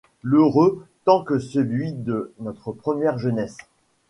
L’heureux temps que celui de notre première jeunesse !